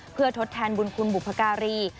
เพื่อทดแทนบุญคุณบุพการี